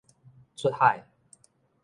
出海